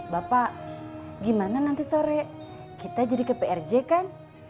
bapak gimana nanti sore kita jadi ke prj kan